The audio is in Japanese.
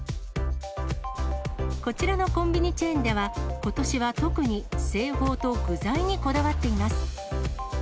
こちらのコンビニチェーンでは、ことしは特に製法と具材にこだわっています。